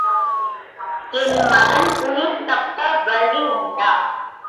என் மகன் உயிர் தப்ப வழி உண்டா?